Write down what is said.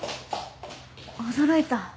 驚いた。